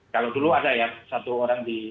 kalau dulu ada ya satu orang di